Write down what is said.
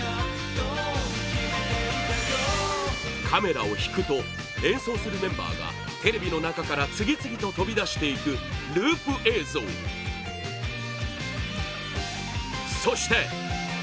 カメラを引くと演奏するメンバーがテレビの中から、次々と飛び出していくループ映像そして